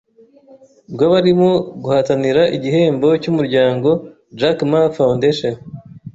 rw'abarimo guhatanira igihembo cy'umuryango Jack Ma Foundation